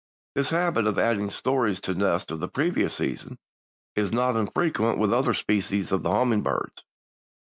This habit of adding stories to nests of the previous season is not infrequent with other species of the hummingbirds.